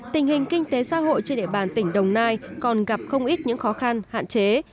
tình hình kinh tế xã hội trên địa bàn tỉnh đồng nai còn gặp không ít những khó khăn hạn chế